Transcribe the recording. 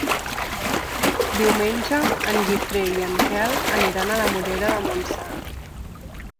Diumenge en Guifré i en Quel aniran a la Morera de Montsant.